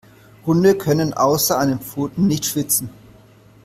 Hunde können außer an den Pfoten nicht schwitzen.